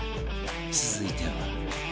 続いては